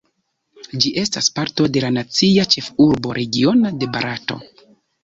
Ĝi estas parto de la Nacia Ĉefurba Regiono de Barato.